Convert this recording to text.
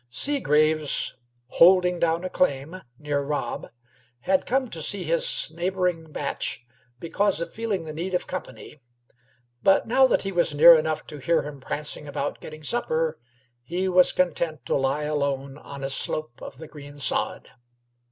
Seagraves, "holding down a claim" near Rob, had come to see his neighboring "bach" because feeling the need of company; but now that he was near enough to hear him prancing about getting supper, he was content to lie alone on a slope of the green sod.